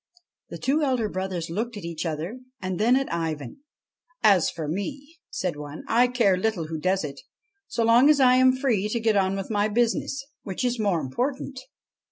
The two elder brothers looked at each other and then at Ivan. ' As for me,' said one, ' I care little who does it, so long as I am free to get on with my business, which is more important.'